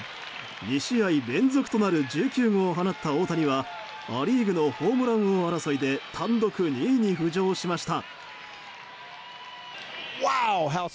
２試合連続となる１９号を放った大谷はア・リーグのホームラン争いで単独２位に浮上しました。